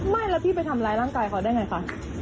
ไม่แล้วพี่ไปทำร้ายร่างกายเขาได้ไงคะ